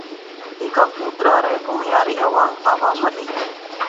هيڪا ڪُوترا رئہ ڀونهيا رئِي آواز آوَوا مڏئِي۔